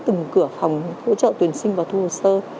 từng cửa phòng hỗ trợ tuyển sinh và thu hồ sơ